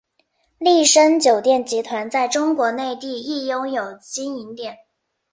丽笙酒店集团在中国内地亦拥有经营点。